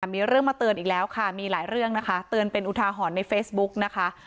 มีเรื่องมาเตือนอีกแล้วค่ะมีหลายเรื่องนะคะเตือนเป็นอุทาหรณ์ในเฟซบุ๊กนะคะ